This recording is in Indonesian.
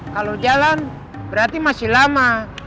kalau jalan berarti masih lama